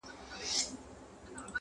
هر ګستاخ چي په ګستاخ نظر در ګوري,